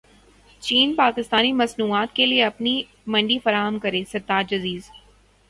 چین پاکستانی مصنوعات کیلئے اپنی منڈی فراہم کرے سرتاج عزیز